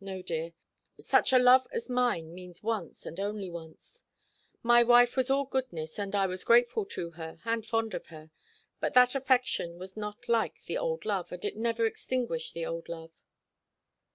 "No, dear; such a love as mine means once, and once only. My wife was all goodness, and I was grateful to her, and fond of her but that affection was not like the old love, and it never extinguished the old love."